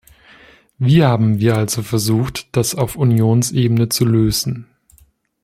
Wie haben wir also versucht, das auf Unionsebene zu lösen?